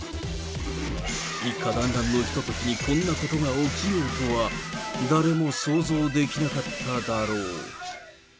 一家だんらんのひとときに、こんなことが起きるとは、誰も想像できなかっただろう。